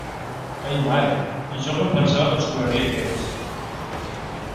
Ai mare, i jo que em pensava que ens sobraria temps.